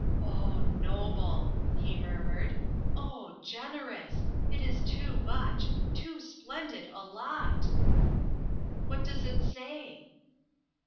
"Oh noble," he murmured. "Oh generous! It is too much. Too splendid a lot!" "What does it say?"